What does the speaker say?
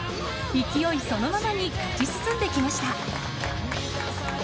勢いそのままに勝ち進んできました。